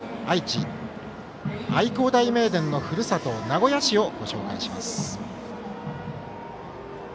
まず愛知・愛工大名電のふるさと名古屋市をご紹介します。